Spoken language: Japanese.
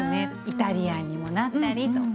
イタリアンにもなったりとか。